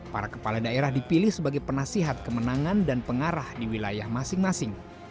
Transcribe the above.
para kepala daerah dipilih sebagai penasihat kemenangan dan pengarah di wilayah masing masing